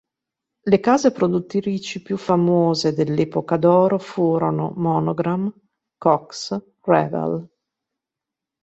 Le case produttrici più famose dell'epoca d'oro furono Monogram, Cox, Revell.